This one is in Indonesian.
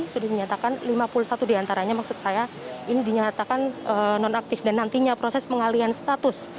sudah dinyatakan lima puluh satu diantaranya maksud saya ini dinyatakan nonaktif dan nantinya proses pengalian status